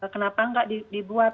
kenapa tidak dibuat